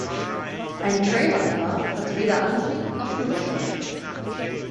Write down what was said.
Ein Trailer Car hat weder Antrieb noch Führerstand.